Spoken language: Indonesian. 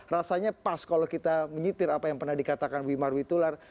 rasanya pas kalau kita menyetir apa yang pernah dikatakan wimar witular